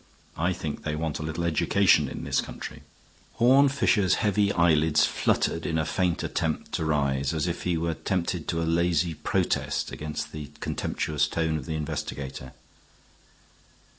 I think they want a little education in this country." Horne Fisher's heavy eyelids fluttered in a faint attempt to rise, as if he were tempted to a lazy protest against the contemptuous tone of the investigator.